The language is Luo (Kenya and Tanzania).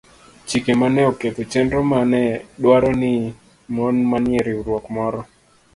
chike ma ne oketho chenro ma ne dwaro ni mon manie riwruok moro